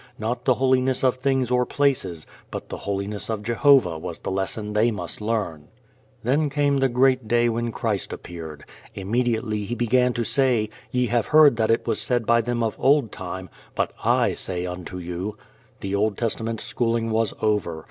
Not the holiness of things or places, but the holiness of Jehovah was the lesson they must learn. Then came the great day when Christ appeared. Immediately He began to say, "Ye have heard that it was said by them of old time but I say unto you." The Old Testament schooling was over.